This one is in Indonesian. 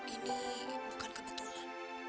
ini bukan kebetulan